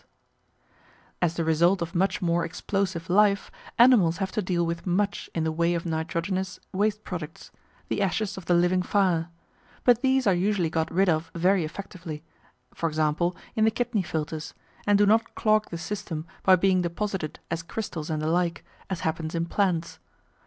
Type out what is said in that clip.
] As the result of much more explosive life, animals have to deal with much in the way of nitrogenous waste products, the ashes of the living fire, but these are usually got rid of very effectively, e.g. in the kidney filters, and do not clog the system by being deposited as crystals and the like, as happens in plants.